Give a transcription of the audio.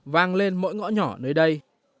vang lên mỗi ngõ nhỏ nơi đây